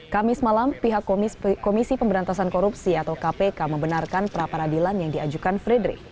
kamis malam pihak komisi pemberantasan korupsi atau kpk membenarkan pra peradilan yang diajukan frederick